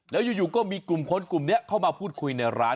แล้วอยู่ก็มีกลุ่มคนกลุ่มนี้เข้ามาพูดคุยในร้าน